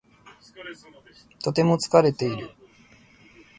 とても疲れている。